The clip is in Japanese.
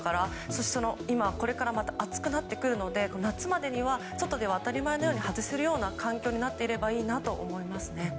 そして、これからまた暑くなってくるので夏までには外では当たり前に外せるような環境になっていればいいなと思いますね。